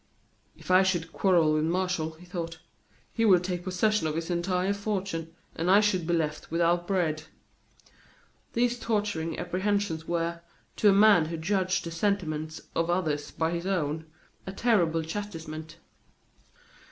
"If I should quarrel with Martial," he thought, "he would take possession of his entire fortune, and I should be left without bread." These torturing apprehensions were, to a man who judged the sentiments of others by his own, a terrible chastisement.